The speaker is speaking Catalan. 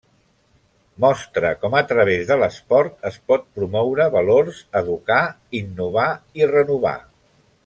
Mostra com a través de l’esport es pot promoure valors, educar, innovar i renovar.